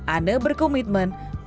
anne berkomitmen untuk memperoleh anak anak